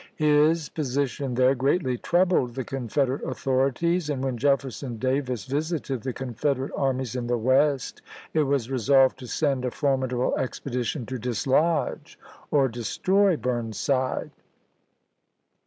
His position there greatly troubled the Con federate authorities, and when Jefferson Davis visited the Confederate armies in the West it was resolved to send a formidable expedition to dislodge or destroy Burnside.